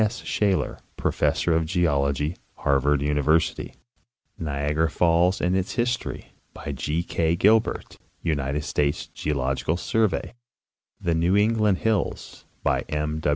S. Shaler, professor of geol ogy, Harvard University ; Niagara falls and its history, by G. K, Gilbert, United States Geological Survey ; The New England hills, by W.